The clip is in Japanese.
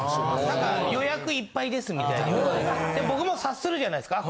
なんか「予約いっぱいです」みたいに言われてで僕も察するじゃないですか。